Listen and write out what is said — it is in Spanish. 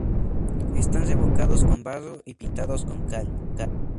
Están revocados con barro y pintados con cal.